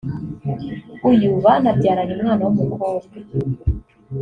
uyu banabyaranye umwana w’umukobwa